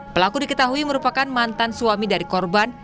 pelaku diketahui merupakan mantan suami dari korban